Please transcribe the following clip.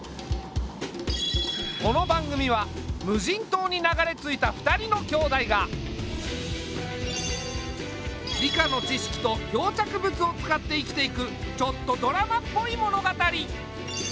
この番組は無人島に流れ着いた２人の兄妹が理科の知識と漂着物を使って生きていくちょっとドラマっぽい物語。